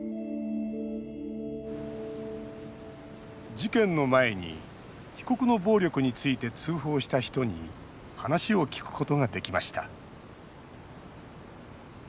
事件の前に被告の暴力について通報した人に話を聞くことができました。